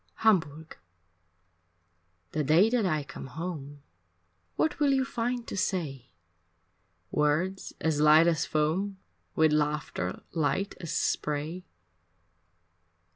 XI Hamburg The day that I come home, What will you find to say, Words as light as foam With laughter light as spray?